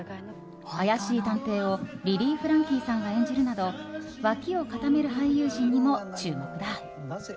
怪しい探偵をリリー・フランキーさんが演じるなどわきを固める俳優陣にも注目だ。